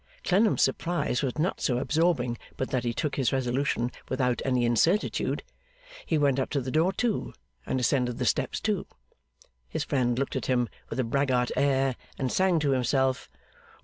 Clennam's surprise was not so absorbing but that he took his resolution without any incertitude. He went up to the door too, and ascended the steps too. His friend looked at him with a braggart air, and sang to himself.